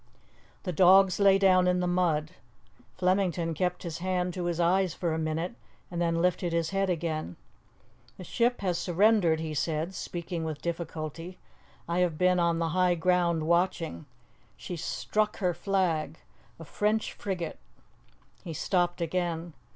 The dogs lay down in the mud. Flemington kept his hand to his eyes for a minute, and then lifted his head again. "The ship has surrendered," he said, speaking with difficulty; "I have been on the high ground watching. She struck her flag. A French frigate " He stopped again.